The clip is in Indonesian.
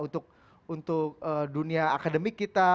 untuk dunia akademik kita